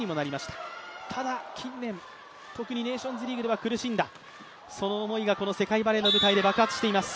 ただ近年、特にネーションズリーグでは苦しんだ、その思いが世界バレーの舞台で爆発しています。